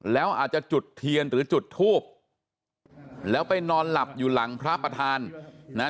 แล้วอาจจะจุดเทียนหรือจุดทูบแล้วไปนอนหลับอยู่หลังพระประธานนะฮะ